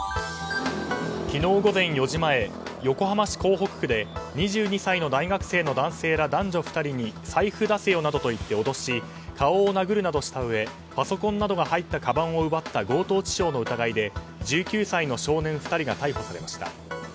昨日午前４時前横浜市港北区で２２歳の大学生の男性ら男女２人に財布出せよなどと言って脅し顔を殴るなどしたうえパソコンなどが入ったかばんを奪った強盗致傷の疑いで１９歳の少年２人が逮捕されました。